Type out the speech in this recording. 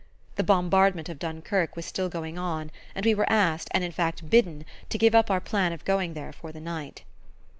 The bombardment of Dunkuerque was still going on; and we were asked, and in fact bidden, to give up our plan of going there for the night.